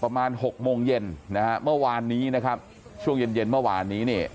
ประมาณ๐๖๐๐ยนตรีนี้เมื่อวานนี้ช่วงเย็นเนี่ยเนี่ย